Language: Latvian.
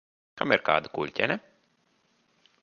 Kam ir kāda kuļķene?